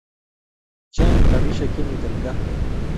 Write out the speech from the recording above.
Chang rapishek che miten kaa